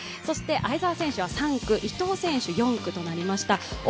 相澤選手は３区、伊藤選手は４区となりました。